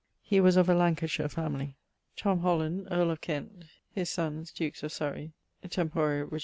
He was of a Lancashire family. Tho. Holland, earl of Kent (his sonnes, dukes of Surrey), tempore Rich.